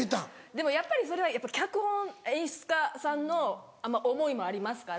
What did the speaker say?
でもやっぱりそれは脚本演出家さんの思いもありますから。